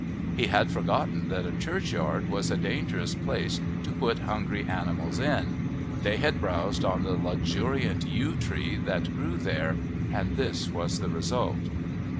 He had forgotten that a churchyard was a dangerous place to put hungry animals in. They had browsed on the luxuriant yew that grew there, and this was the result.